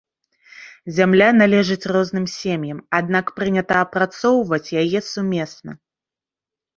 Зямля належыць розным сем'ям, аднак прынята апрацоўваць яе сумесна.